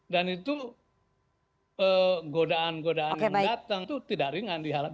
dan itu godaan godaan yang datang itu tidak ringan dihalang